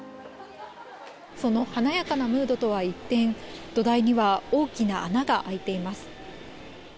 その華やかなムードとは一転、土台には大きな穴が開いています。